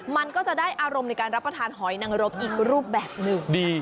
มันก็จะได้อารมณ์ในการรับประทานหอยนังรบอีกรูปแบบหนึ่งดี